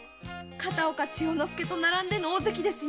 片岡千代之助とならんでの大関ですよ。